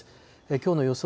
きょうの予想